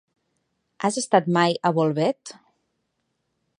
Has estat mai a Bolbait?